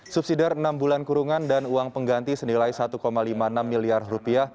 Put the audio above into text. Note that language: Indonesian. subsidiar enam bulan kurungan dan uang pengganti senilai rp satu lima puluh enam miliar